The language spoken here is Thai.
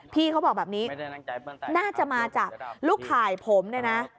พี่เขาบอกแบบนี้น่าจะมาจากลูกข่ายผมเนี่ยนะ